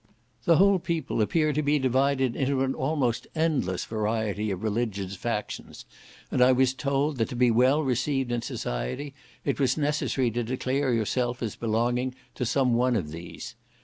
The whole people appear to be divided into an almost endless variety of religious factions, and I was told, that to be well received in society, it was necessary to declare yourself as belonging to some one of these.